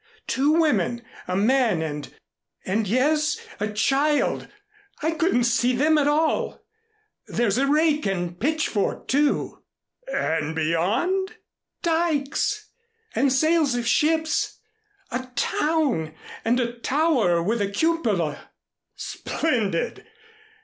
"Two women, a man and and, yes, a child. I couldn't see them at all. There's a rake and pitch fork, too " "And beyond?" "Dykes and the sails of ships a town and a tower with a cupola!" "Splendid!